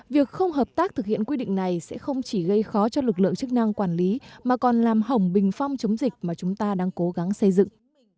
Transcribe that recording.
việc không hợp tác thực hiện quy định này sẽ không chỉ gây khó cho lực lượng chức năng quản lý mà còn làm hỏng bình phong chống dịch mà chúng ta đang cố gắng xây dựng